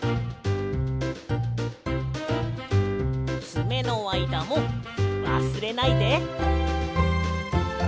つめのあいだもわすれないで！